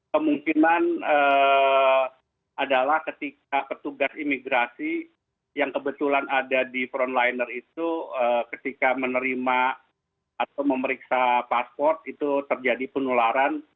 kemungkinan adalah ketika petugas imigrasi yang kebetulan ada di frontliner itu ketika menerima atau memeriksa pasport itu terjadi penularan